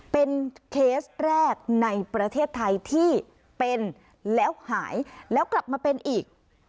เป็นเคสแรกในประเทศไทยที่เป็นแล้วหายแล้วกลับมาเป็นอีก